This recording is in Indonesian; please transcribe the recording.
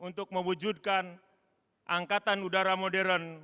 untuk mewujudkan angkatan udara modern